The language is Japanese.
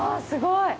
すごい。